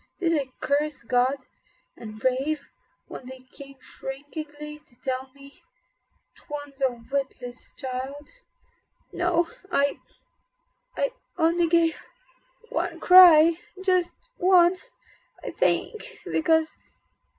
Did I curse God and rave When they came shrinkingly to tell me 'twas A witless child? No ... I ... I only gave One cry ... just one ... I think ... because